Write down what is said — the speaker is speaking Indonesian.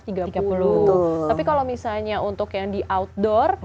tapi kalau misalnya untuk yang di outdoor